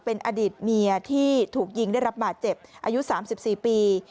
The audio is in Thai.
เป็นอดีตเมียที่ถูกยิงได้รับบาดเจ็บอายุ๓๔ปี